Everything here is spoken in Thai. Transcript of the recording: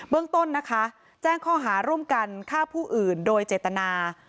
เรื่องต้นนะคะแจ้งข้อหาร่วมกันฆ่าผู้อื่นโดยเจตนา